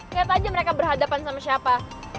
lihat aja mereka berhadapan sama siapa